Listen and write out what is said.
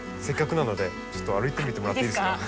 せっかくなのでちょっと歩いてみてもらっていいですか。